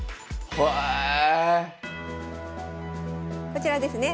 こちらですね。